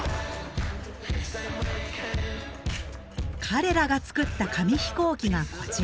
彼らが作った紙飛行機がこちら。